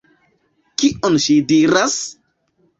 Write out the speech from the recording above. Kion ŝi diras?